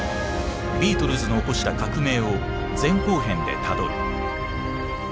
ビートルズの起こした革命を前・後編でたどる。